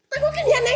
tegukin ya neng ya